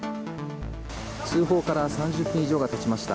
通報から３０分以上がたちました。